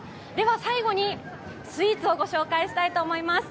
最後にスイーツをご紹介したいと思います。